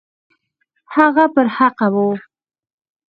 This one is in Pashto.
هغه پر حقه وو.